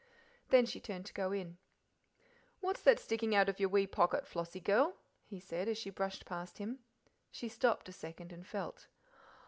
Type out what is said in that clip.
Then she turned to go in. "What's that sticking out of your wee pocket, Flossie girl?" he said, as she brushed past him. She stopped a second and felt.